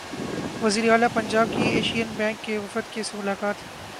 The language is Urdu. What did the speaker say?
وزیراعلی پنجاب کی ایشیئن بینک کے وفد سے ملاقات